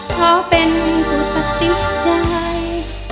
เพราะเป็นคู่ปฏิใจ